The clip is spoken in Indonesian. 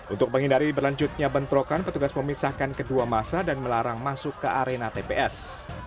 untuk menghindari berlanjutnya bentrokan petugas memisahkan kedua masa dan melarang masuk ke arena tps